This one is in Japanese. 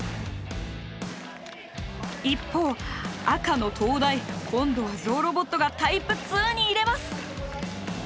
一方赤の東大今度はゾウロボットがタイプ２に入れます！